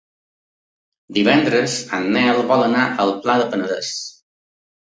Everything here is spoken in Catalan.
Divendres en Nel vol anar al Pla del Penedès.